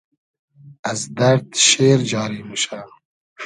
از دئرد شېر جاری موشۂ